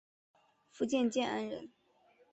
福建建安人。